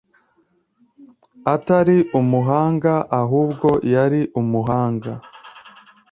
atari umuhanga ahubwo yari umuhanga.